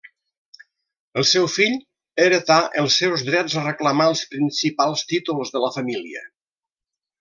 El seu fill heretà els seus drets a reclamar els principals títols de la família.